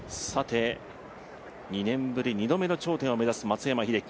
２年ぶり２度目の頂点を目指す松山英樹。